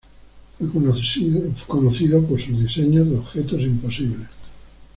Fue conocido por sus diseños de objetos imposibles.